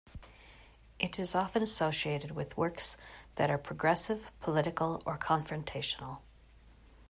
It is often associated with works that are progressive, political, or confrontational.